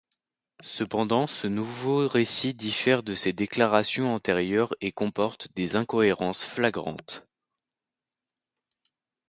Cependant, ce nouveau récit diffère de ses déclarations antérieures et comporte des incohérences flagrantes.